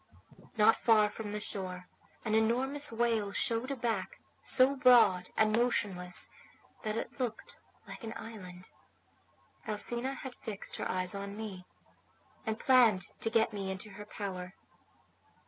"Not far from the shore an enormous whale showed a back so broad and motionless that it looked like an island. Alcina had fixed her eyes on me, and planned to get me into her power.